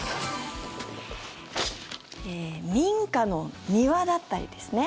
民家の庭だったりですね